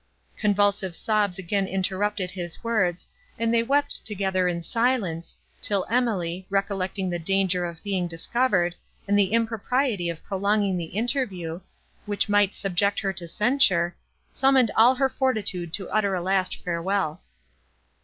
Convulsive sobs again interrupted his words, and they wept together in silence, till Emily, recollecting the danger of being discovered, and the impropriety of prolonging an interview, which might subject her to censure, summoned all her fortitude to utter a last farewell.